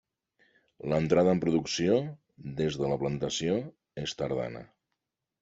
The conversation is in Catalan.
L'entrada en producció des de la plantació és tardana.